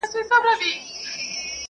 زه به سبزېجات تيار کړي وي!!